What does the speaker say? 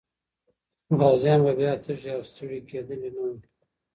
غازيان به بیا تږي او ستړي کېدلي نه وو.